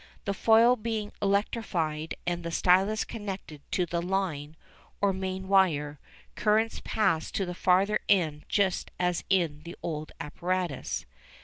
The foil being electrified and the stylus connected to the "line" or main wire, currents pass to the farther end just as in the old apparatus.